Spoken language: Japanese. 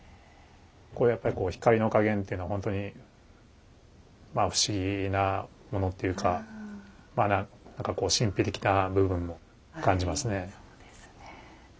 やっぱりこう光の加減っていうのほんとにまあ不思議なものっていうかまあ何かこう神秘的な部分も感じますね。